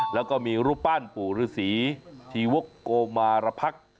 แล้วก็มีรูปปั้นภูรษีทีโวกโกมารพรรค